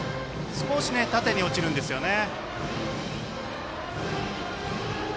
少し縦に落ちるんですよね。